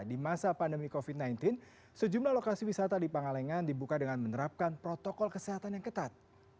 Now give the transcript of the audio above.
di masa pandemi covid sembilan belas sejumlah lokasi wisata di pangalengan dibuka dengan menerapkan protokol kesehatan yang ketat